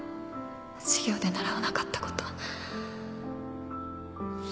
授業で習わなかったこと